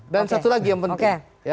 dan satu lagi yang penting